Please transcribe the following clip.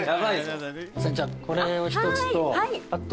じゃあこれを１つとあと。